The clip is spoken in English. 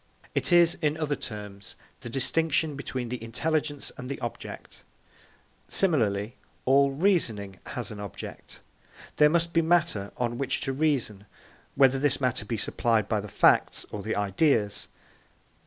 It is, in other terms, the distinction between the intelligence and the object. Similarly, all reasoning has an object; there must be matter on which to reason, whether this matter be supplied by the facts or the ideas.